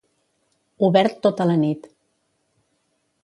Obert tota la nit.